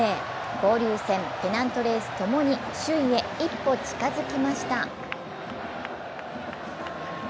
交流戦、ペナントレースともに首位へ一歩近づきました。